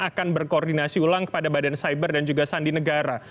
akan berkoordinasi ulang kepada badan cyber dan juga sandi negara